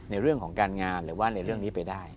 ในเรื่องของการงานหรือว่าในเรื่องนี้ไปได้